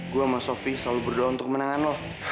gue sama sofi selalu berdoa untuk kemenangan lo